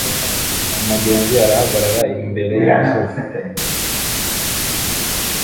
Umugenzi arahagarara imbere yimisozi